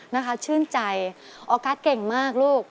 นะคะชื่นใจออกัสเก่งมากลูก